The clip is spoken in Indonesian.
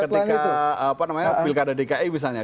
ketika apa namanya pilkada dki misalnya